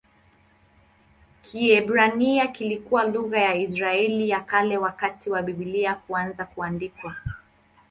Kiebrania kilikuwa lugha ya Israeli ya Kale wakati wa Biblia kuanza kuandikwa.